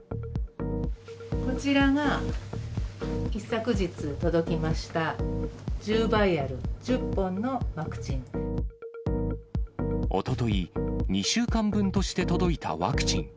こちらが一昨日届きました、おととい、２週間分として届いたワクチン。